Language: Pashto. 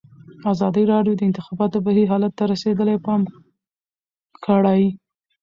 ازادي راډیو د د انتخاباتو بهیر حالت ته رسېدلي پام کړی.